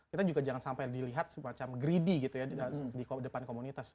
kita juga jangan sampai dilihat semacam greedie gitu ya di depan komunitas